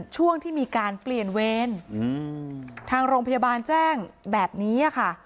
ช่วงที่มีการเปลี่ยนเวรทางโรงพยาบาลแจ้งแบบนี้ค่ะ